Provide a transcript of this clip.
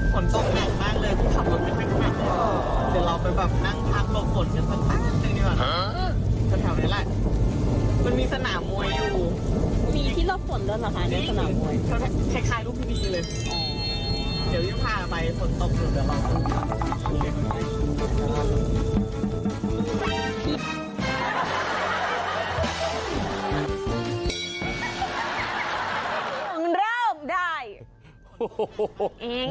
ขอบคุณคุณครับ